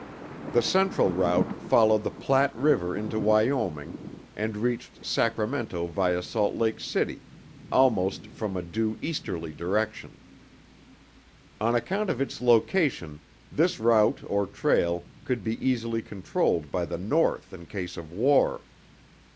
The Central route followed the Platte River into Wyoming and reached Sacramento via Salt Lake City, almost from a due easterly direction. On account of its location this route or trail could be easily controlled by the North in case of war.